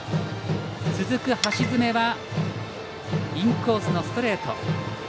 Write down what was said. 続く橋爪はインコースのストレート。